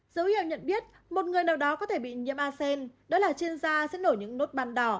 dấu hiệu nhận biết một người nào đó có thể bị nhiễm a sen đó là trên da sẽ nổi những nốt bàn đỏ